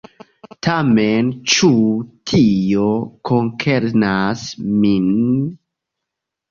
Tamen, ĉu tio koncernas min?